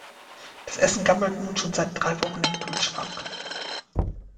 Das Essen gammelt nun schon seit drei Wochen im Kühlschrank.